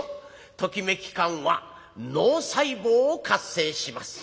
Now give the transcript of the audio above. ときめき感は脳細胞を活性します。